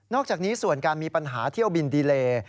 อกจากนี้ส่วนการมีปัญหาเที่ยวบินดีเล